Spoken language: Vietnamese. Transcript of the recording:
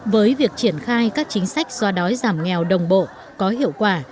với việc triển khai các chính sách do đói giảm nghèo đồng bộ có hiệu quả